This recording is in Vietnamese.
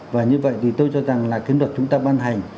và như vậy thì tôi cho rằng là kiến đoạn chúng ta ban hành